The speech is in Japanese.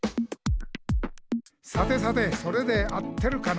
「さてさてそれで合ってるかな？」